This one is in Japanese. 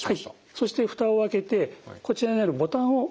そして蓋を開けてこちらにあるボタンを押す。